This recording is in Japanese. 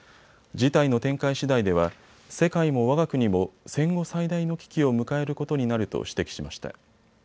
事態の展開しだいでは世界もわが国も戦後最大の危機を迎えることになると指摘しました。